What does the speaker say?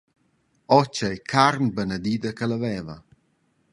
O, tgei carn benedida ch’ella veva.